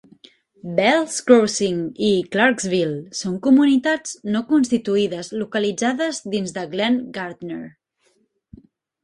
Bells Crossing i Clarksville són comunitats no constituïdes localitzades dins de Glen Gardner.